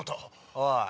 おい！